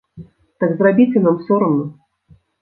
Так зрабіце нам сорамна!